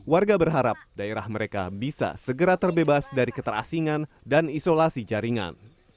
warga berharap daerah mereka bisa segera terbebas dari keterasingan dan isolasi jaringan